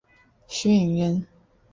许允人。